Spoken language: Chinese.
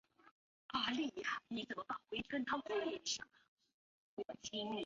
目前继承交通大学的五校多在校园中放置饮水思源碑的复制品。